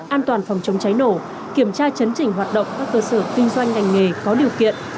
an toàn phòng chống cháy nổ kiểm tra chấn chỉnh hoạt động các cơ sở kinh doanh ngành nghề có điều kiện